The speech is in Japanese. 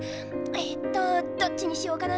ええとどっちにしようかな。